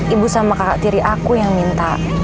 ibu sama kakak tiri aku yang minta